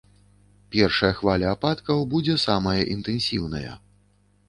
Першая хваля ападкаў будзе самая інтэнсіўная.